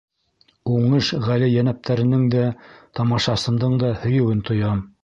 Уңыш ғәли йәнәптәренең дә, тамашасымдың да һөйөүен тоям.